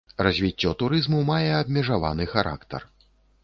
Развіццё турызму мае абмежаваны характар.